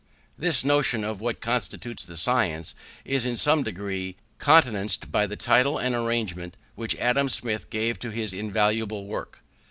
This notion of what constitutes the science, is in some degree countenanced by the title and arrangement which Adam Smith gave to his invaluable work.